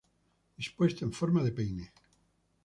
Dispuesto en forma de peine.